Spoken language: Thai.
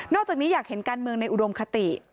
จากนี้อยากเห็นการเมืองในอุดมคติ